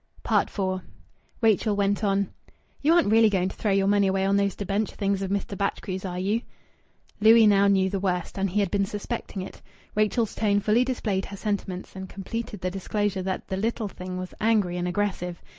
IV Rachel went on "You aren't really going to throw your money away on those debenture things of Mr. Batchgrew's, are you?" Louis now knew the worst, and he had been suspecting it. Rachel's tone fully displayed her sentiments, and completed the disclosure that "the little thing" was angry and aggressive.